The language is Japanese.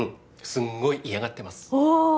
すんごい嫌がってますおお！